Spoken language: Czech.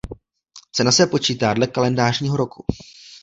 Cena se počítá dle Kalendářního roku.